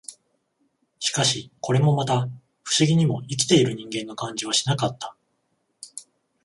しかし、これもまた、不思議にも、生きている人間の感じはしなかった